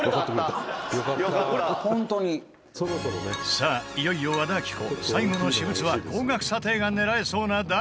さあ、いよいよ和田アキ子最後の私物は高額査定が狙えそうな大